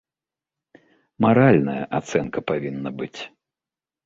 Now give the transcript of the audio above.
Маральная ацэнка павінна быць.